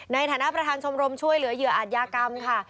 ในฐานะประธานชมรมช่วยเหลือเหยื่ออาจยากรรมค่ะ